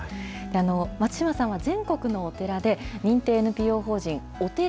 松島さんは全国のお寺で、認定ＮＰＯ法人おてら